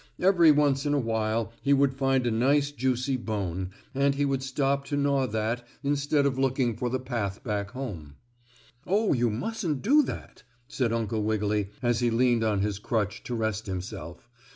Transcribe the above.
Every once in a while he would find a nice juicy bone, and he would stop to gnaw that instead of looking for the path back home. "Oh, you mustn't do that," said Uncle Wiggily, as he leaned on his crutch to rest himself.